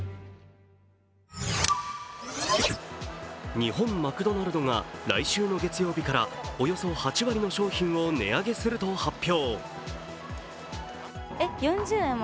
日本マクドナルドが来週の月曜日からおよそ８割の商品を値上げすると発表。